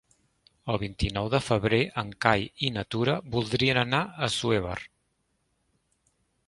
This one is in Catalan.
El vint-i-nou de febrer en Cai i na Tura voldrien anar a Assuévar.